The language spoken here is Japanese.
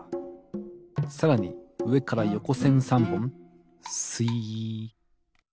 さらにうえからよこせん３ぼんすいっ。